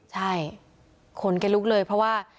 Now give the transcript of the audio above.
ใช่ขนแกลุกเลยเพราะว่า